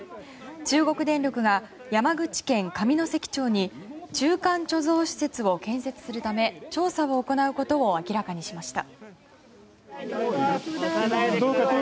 中国電力が山口県上関町に中間貯蔵施設を建設するため調査を行うことを明らかにしました。